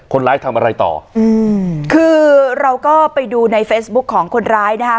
คนร้ายทำอะไรต่ออืมคือเราก็ไปดูในเฟซบุ๊คของคนร้ายนะคะ